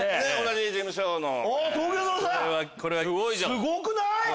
すごくない？